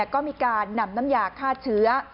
ก็มีการนำน้ำยาฆ่าเชื้อ